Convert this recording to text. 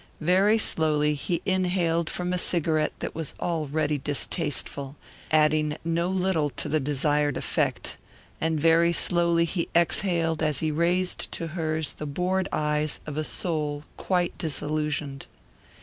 Very slowly he inhaled from a cigarette that was already distasteful adding no little to the desired effect and very slowly he exhaled as he raised to hers the bored eyes of a soul quite disillusioned.